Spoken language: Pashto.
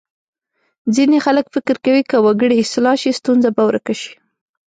ځینې خلک فکر کوي که وګړي اصلاح شي ستونزه به ورکه شي.